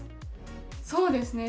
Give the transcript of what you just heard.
そうですね